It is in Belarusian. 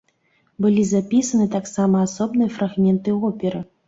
Былі запісаны таксама асобныя фрагменты оперы.